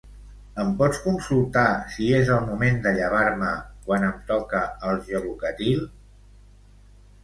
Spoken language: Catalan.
Em pots consultar si és al moment de llevar-me quan em toca el Gelocatil?